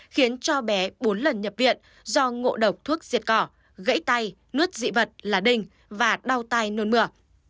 khiến cho bé bốn lần nhập viện do ngộ độc thuốc diệt cỏ gãy tay nuốt dị vật là đình và đau tay nôn mửa